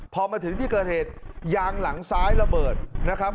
พอมาถึงที่เกิดเหตุยางหลังซ้ายระเบิดนะครับ